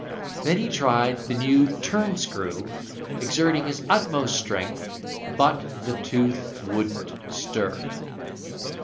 Then he tried the turn screw, exerting his utmost strength, but the tooth wouldn't stir.